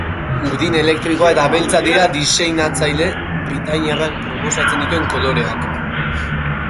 Urdin elektrikoa eta beltza dira diseinatzaile britainiarrak proposatzen dituen koloreak.